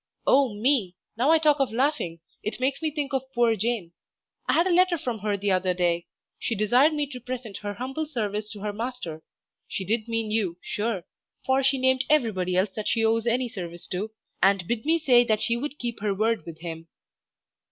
Oh, me! now I talk of laughing, it makes me think of poor Jane. I had a letter from her the other day; she desired me to present her humble service to her master, she did mean you, sure, for she named everybody else that she owes any service to, and bid me say that she would keep her word with him.